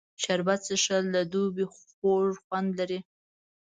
شربت څښل د دوبي خوږ خوند لري